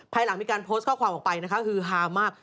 ภายหลังมีการโพสต์ข้อความออกไปนะคะฮือฮามาก